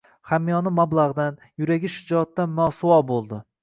– hamyoni mablag‘dan, yuragi shijoatdan mosuvo bo‘ldi.